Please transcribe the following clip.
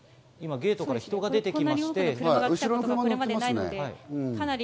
ゲートから人が出てきまして。